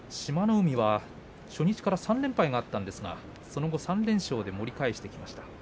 海は初日から３連敗があったんですがその後、３連勝で盛り返してきました。